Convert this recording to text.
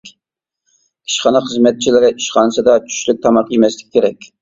ئىشخانا خىزمەتچىلىرى ئىشخانىسىدا چۈشلۈك تاماق يېمەسلىكى كېرەك.